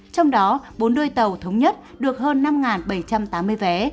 trong đó bốn đôi tàu thống nhất được hơn năm bảy trăm tám mươi vé